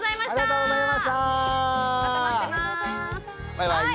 バイバーイ。